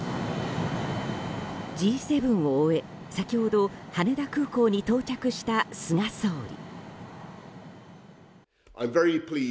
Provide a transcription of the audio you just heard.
Ｇ７を終え、先ほど羽田空港に到着した菅総理。